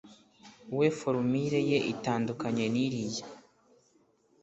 we forumire ye itandukanye n’iriya